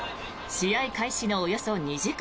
試合開始のおよそ２時間